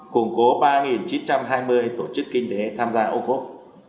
khủng cố ba chín trăm hai mươi tổ chức kinh tế tham gia ocop